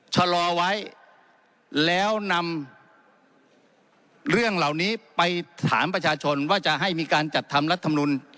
ชะลอไว้แล้วนำเรื่องเหล่านี้ไปถามประชาชนว่าจะให้มีการจัดทำรัฐมนุน